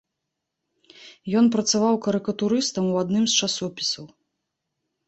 Ён працаваў карыкатурыстам ў адным з часопісаў.